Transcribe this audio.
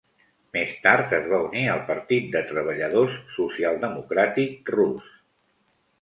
Més tard, es va unir al partit de treballadors social-democràtic rus.